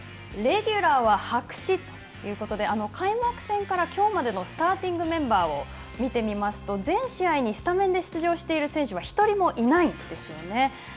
レギュラーは白紙ということで開幕戦からきょうまでのスターティングメンバーを見てみますと全試合にスタメンで出場している選手は一人もいないんですよね。